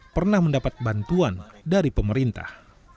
pernah mendapat bantuan dari pemerintah